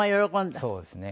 そうですね。